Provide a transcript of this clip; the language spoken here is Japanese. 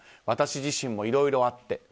私自身もいろいろあって。